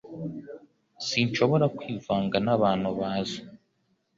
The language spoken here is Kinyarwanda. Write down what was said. Sinshobora kwivanga nabantu baza